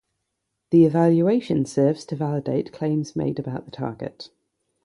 The evaluation serves to validate claims made about the target.